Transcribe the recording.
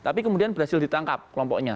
tapi kemudian berhasil ditangkap kelompoknya